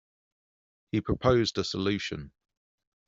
He proposed a solution.